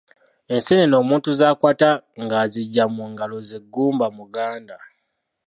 Enseenene omuntu z'akwata ng'aziggya mu ngalo ze gumba muganda.